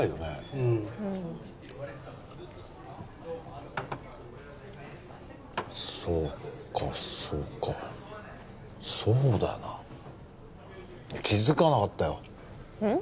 うんうんそうかそうかそうだよな気づかなかったようん？